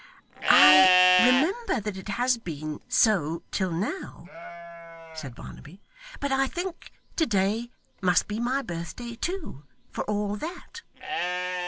'I remember that it has been so till now,' said Barnaby. 'But I think to day must be my birthday too, for all that.